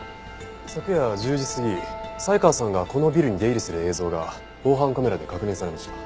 昨夜１０時過ぎ才川さんがこのビルに出入りする映像が防犯カメラで確認されました。